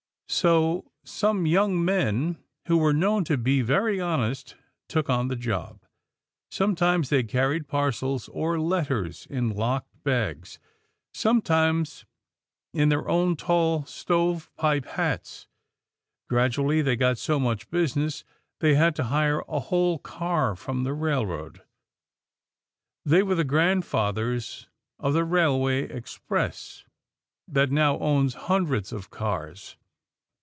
So some young men, who were known to be very honest, took on the job. Sometimes they carried parcels or letters in locked bags sometimes in their own tall stovepipe hats! Gradually they got so much business that they had to hire a whole car from the railroad. They were the grandfathers of the Railway Express that now owns hundreds of cars.